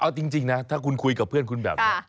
เอาจริงนะถ้าคุณคุยกับเพื่อนคุณแบบนี้